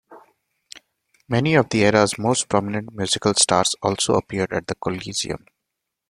Many of the era's most prominent musical stars also appeared at the Coliseum.